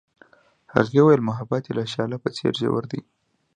هغې وویل محبت یې د شعله په څېر ژور دی.